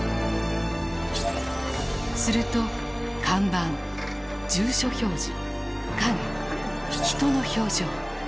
すると看板住所表示影人の表情。